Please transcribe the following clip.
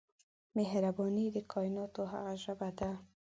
مهرباني د کایناتو هغه ژبه ده